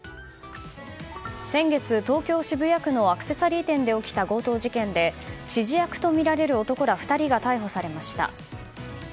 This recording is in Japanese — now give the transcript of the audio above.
先月、東京・渋谷区のアクセサリー店で起きた強盗事件で、指示役とみられる男ら２人が逮捕されました。